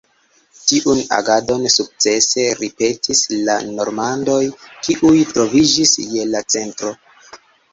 Tiun agadon sukcese ripetis la normandoj, kiuj troviĝis je la centro.